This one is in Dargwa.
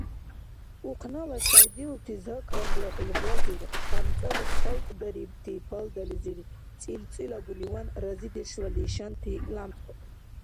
Ухънала шявдиубти зак-рангла хӀулбазир, къямцӀали халтӀдарибти палдализир цӀилцӀилагуниван, разидешла лишанти лямцӀдухъун.